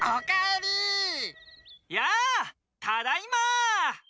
やあただいま！